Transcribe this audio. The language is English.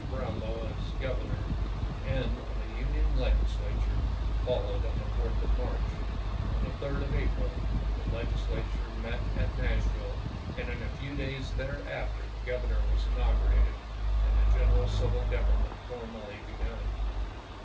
Brownlow as governor, and of a Union Legislature, followed on the 4th of March. On the 3d of April the Legis lature met at Nashville and in a few days there after the Grovernor was inaugurated, and general civil government formally begun.